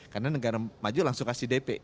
karena negara maju langsung kasih dp